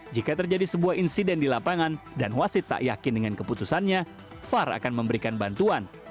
jika terjadi sebuah insiden di lapangan dan wasit tak yakin dengan keputusannya far akan memberikan bantuan